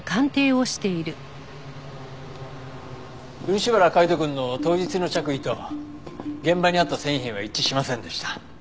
漆原海斗くんの当日の着衣と現場にあった繊維片は一致しませんでした。